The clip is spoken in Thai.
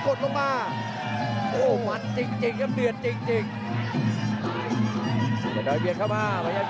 โอ้โหลื่นครับ